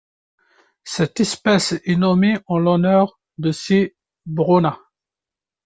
Cette espèce est nommée en l'honneur de Ses Brauna.